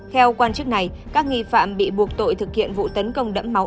theo quan chức này các nghi phạm bị buộc tội thực hiện vụ tấn công đẫm máu